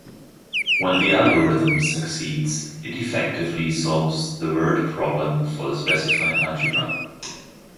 When the algorithm succeeds, it effectively solves the word problem for the specified algebra.